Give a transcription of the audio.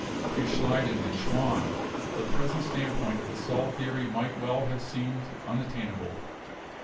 To Schleiden and Schwann the present standpoint of the cell theory might well have seemed unat tainable.